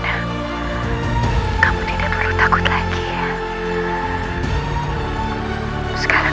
ayo pertama demikian